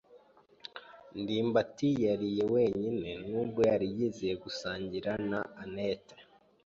ndimbati yariye wenyine nubwo yari yizeye gusangira na anet.